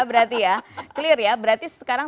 berarti ya clear ya berarti sekarang